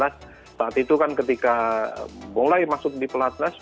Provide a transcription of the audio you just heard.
saat itu kan ketika mulai masuk di pelatnas